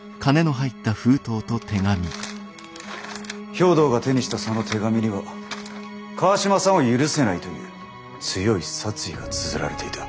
兵藤が手にしたその手紙には川島さんを許せないという強い殺意がつづられていた。